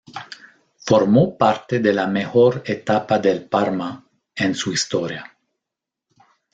Formó parte de la mejor etapa del Parma en su historia.